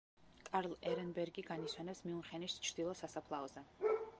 კარლ ერენბერგი განისვენებს მიუნხენის ჩრდილო სასაფლაოზე.